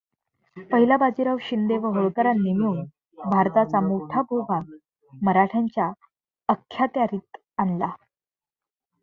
पहिला बाजीराव, शिंदे व होळकरांनी मिळून भारताचा मोठा भूभाग मराठ्यांच्या अख्यात्यारित आणला.